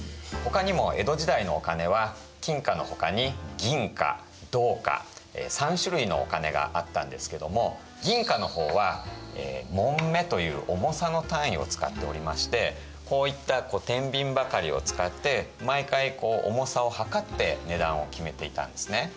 他にも江戸時代のお金は金貨の他に銀貨銅貨３種類のお金があったんですけども銀貨のほうは匁という重さの単位を使っておりましてこういったてんびんばかりを使って毎回重さを量って値段を決めていたんですね。